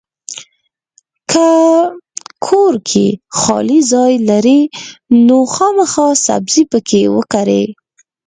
کۀ کور کې خالي ځای لرئ نو خامخا سبزي پکې وکرئ!